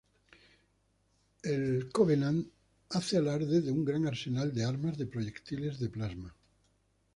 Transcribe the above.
El Covenant hace alarde de un gran arsenal de armas de proyectiles de plasma.